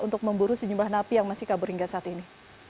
untuk memburu sejumlah napi yang masih kabur hingga saat ini